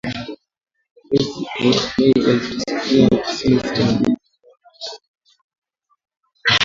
Mwezi Mei elfu mia tisa sitini na mbili kwa matangazo ya dakika thelathini ambayo yalikuwa yamerekodiwa kwenye ukanda